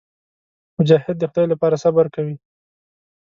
مجاهد د خدای لپاره صبر کوي.